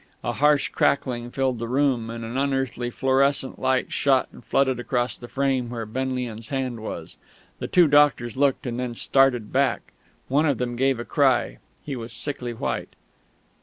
A harsh crackling filled the room, and an unearthly, fluorescent light shot and flooded across the frame where Benlian's hand was. The two doctors looked, and then started back. One of them gave a cry. He was sickly white.